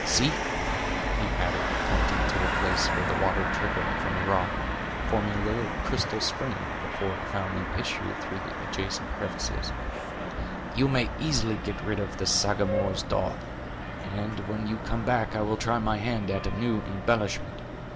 See," he added, pointing to a place where the water trickled from a rock, forming a little crystal spring, before it found an issue through the adjacent crevices; "you may easily get rid of the Sagamore's daub, and when you come back I will try my hand at a new embellishment.